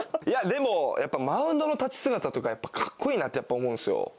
いやでも、マウンドの立ち姿とか、やっぱ格好いいなって思うんですよ。